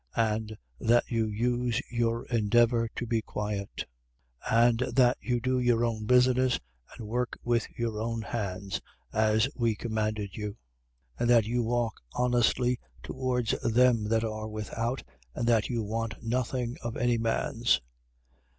And that you use your endeavour to be quiet: and that you do your own business and work with your own hands, as we commanded you: and that you walk honestly towards them that are without: and that you want nothing of any man's.